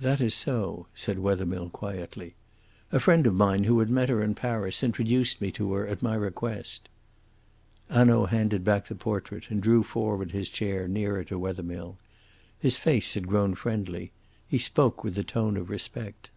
"That is so," said Wethermill quietly. "A friend of mine who had met her in Paris introduced me to her at my request." Hanaud handed back the portrait and drew forward his chair nearer to Wethermill. His face had grown friendly. He spoke with a tone of respect.